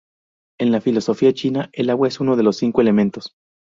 En la filosofía china, el agua es uno de los cinco elementos.